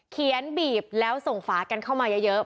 บีบแล้วส่งฝากันเข้ามาเยอะ